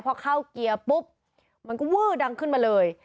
พอเข้าเกียร์ปุ๊บมันก็วื้อดังขึ้นมาเลย